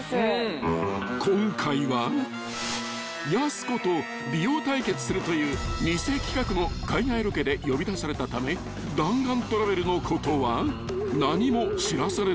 ［今回はやす子と美容対決するという偽企画の海外ロケで呼び出されたため弾丸トラベルのことは］